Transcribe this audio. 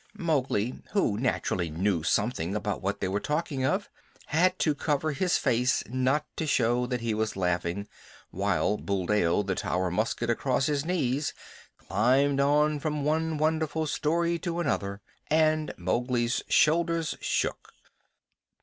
Mowgli, who naturally knew something about what they were talking of, had to cover his face not to show that he was laughing, while Buldeo, the Tower musket across his knees, climbed on from one wonderful story to another, and Mowgli's shoulders shook.